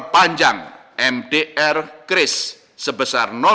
maka pada tahun dua ribu dua puluh satu